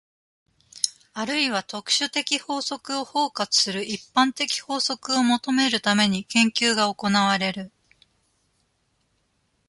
あるいは特殊的法則を包括する一般的法則を求めるために、研究が行われる。